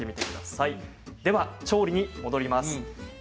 調理に戻ります。